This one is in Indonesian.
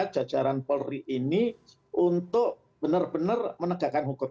jajaran polri ini untuk benar benar menegakkan hukum